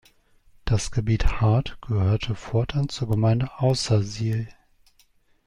Das Gebiet Hard gehörte fortan zur Gemeinde Aussersihl.